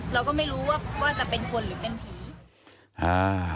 เราก็ไม่รู้ว่าว่าจะเป็นคนหรือเป็นผีอ่า